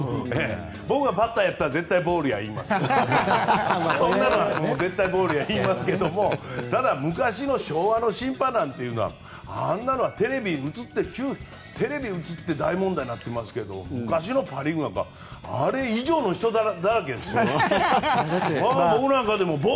僕がバッターやったら絶対ボールや言いますけどただ、昔の昭和の審判はあんなのはテレビに映って大問題になってますけど昔のパ・リーグなんかあれ以上の人だらけですよ。